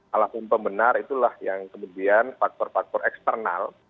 alasan pembenar itulah yang kemudian faktor faktor eksternal